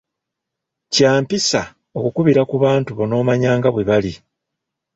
Kya mpisa okukubira ku bantu bo n'omanya nga bwe bali.